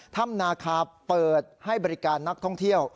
ถ้ำนาคาเปิดให้บริการนักท่องเที่ยว